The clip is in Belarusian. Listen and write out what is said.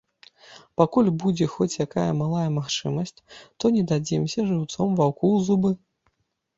Пакуль будзе хоць якая малая магчымасць, то не дадзімся жыўцом ваўку ў зубы.